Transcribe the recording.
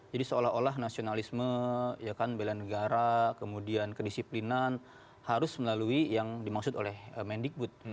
jadi seolah olah nasionalisme ya kan belian negara kemudian kedisiplinan harus melalui yang dimaksud oleh mendikbud